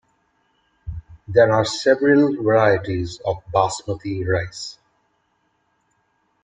There are several varieties of basmati rice.